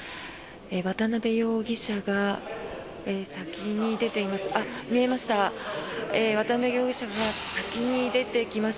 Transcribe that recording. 渡邉容疑者が先に出ています。